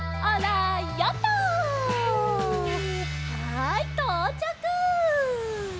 はいとうちゃく！